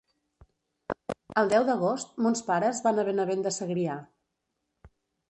El deu d'agost mons pares van a Benavent de Segrià.